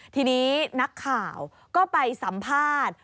ทีนี้นักข่าวก็ไปสัมภาษณ์